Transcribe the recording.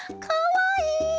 かわいい！